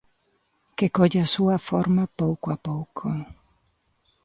Que colle a súa forma pouco a pouco.